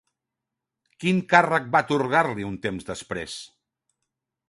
Quin càrrec van atorgar-li un temps després?